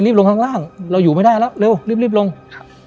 ลงข้างล่างเราอยู่ไม่ได้แล้วเร็วรีบลงครับ